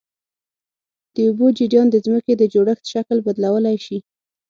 د اوبو جریان د ځمکې د جوړښت شکل بدلولی شي.